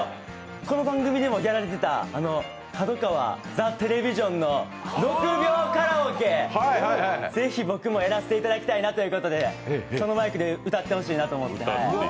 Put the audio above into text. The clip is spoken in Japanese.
この番組でもやられてた、角川ザ・テレビジョンの６秒カラオケ、ぜひ僕もやらせてもらいたいなということでそのマイクで歌ってほしいなと思って。